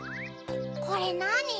これなに？